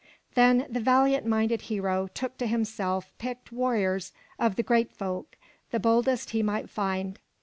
Then the valiant minded hero took to himself picked warriors of the Geat folk, the boldest he might find.